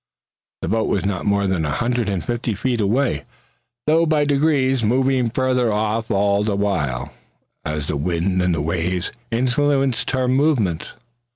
The boat was not more than a hundred and fifty feet away, though by degrees moving further off all the while, as the wind and the waves influenced her movements.